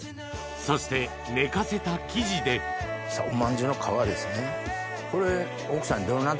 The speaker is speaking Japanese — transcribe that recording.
そして寝かせた生地でおまんじゅうの皮ですね。